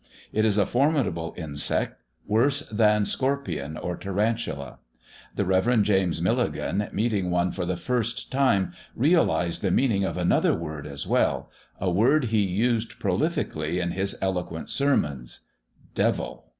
It is a formidable insect, worse than scorpion or tarantula. The Rev. James Milligan, meeting one for the first time, realised the meaning of another word as well, a word he used prolifically in his eloquent sermons devil.